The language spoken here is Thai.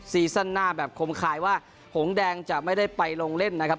ซีซั่นหน้าแบบคมคายว่าหงแดงจะไม่ได้ไปลงเล่นนะครับ